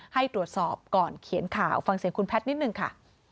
ให้ตรวจสอบก่อนเขียนข่าวฟังเสียงคุณแพทย์นิดนึงค่ะ